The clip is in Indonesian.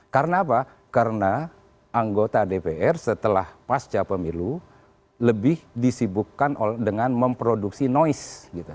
karena apa karena anggota dpr setelah pasca pemilu lebih disibukkan dengan memproduksi noise gitu